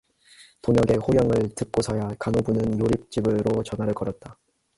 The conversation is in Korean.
동혁의 호령을 듣고서야 간호부는 요릿집으로 전화를 걸었다.